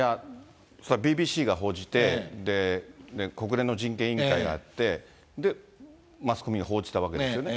それはＢＢＣが報じて、国連の人権委員会がやって、で、マスコミが報じたわけですよね。